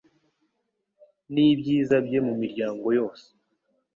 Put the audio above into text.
n’ibyiza bye mu miryango yose